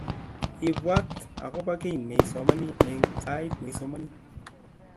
Ibwat akoba kiy neisomani eng sait neisomani